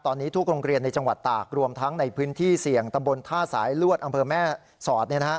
ตอนนี้ทุกโรงเรียนในจังหวัดตากรวมทั้งในพื้นที่เสี่ยงตำบลท่าสายลวดอำเภอแม่สอด